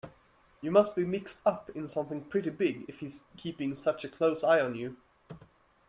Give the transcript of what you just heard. You must be mixed up in something pretty big if he's keeping such a close eye on you.